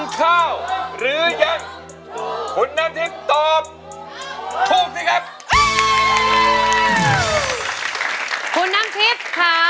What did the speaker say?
ถูกไหมครับค่ะ